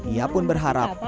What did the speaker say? ia pun berharap